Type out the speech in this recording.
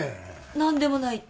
何でもないって？